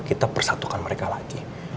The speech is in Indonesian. kita persatukan mereka lagi